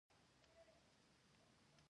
ځغاسته د بدني جوړښت ښه کوي